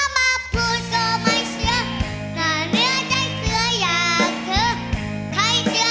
ใครที่เตือนไม่ฟังก็อยากเผลอ